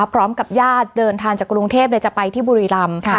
พร้อมกับญาติเดินทางจากกรุงเทพเลยจะไปที่บุรีรำ